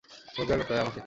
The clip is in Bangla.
রোজগার করতে হয় আমাকে।